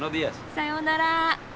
さようなら。